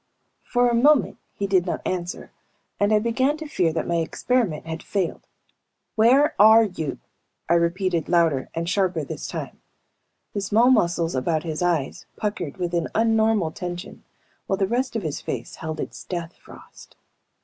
For a moment he did not answer and I began to fear that my experiment had failed. "Where are you?" I repeated, louder and sharper this time. The small muscles about his eyes puckered with an unnormal tension while the rest of his face held its death frost.